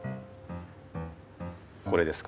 これですか？